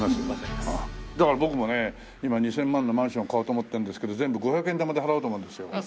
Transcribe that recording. だから僕もね今２０００万のマンション買おうと思ってるんですけど全部５００円玉で払おうと思うんですよ。